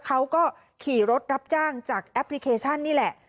เขาก็ขี่รถรับจ้างจากแอปพลิเคชันนี่แหละ